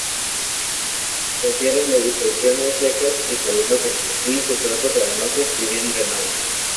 Prefieren ubicaciones secas y calurosas y sustratos arenosos y bien drenados.